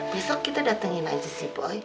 besok kita datengin aja si poi